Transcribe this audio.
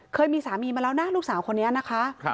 เคยมีสามีมาแล้วนะลูกสาวคนนี้นะคะ